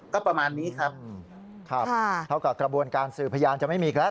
ก็ประมาณนี้ครับครับเขากับกระบวนการสืบพยานจะไม่มีครับ